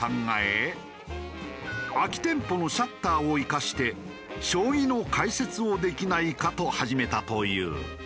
空き店舗のシャッターを生かして将棋の解説をできないかと始めたという。